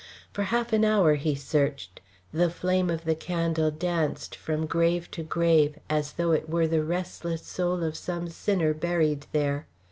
For half an hour he searched; the flame of the candle danced from grave to grave as though it were the restless soul of some sinner buried there.